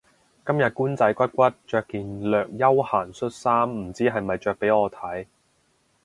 今日官仔骨骨着件略休閒恤衫唔知係咪着畀我睇